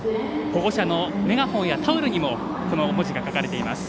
保護者のメガホンやタオルにもこの文字が書かれています。